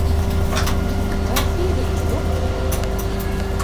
Wy fiele ús lokkich.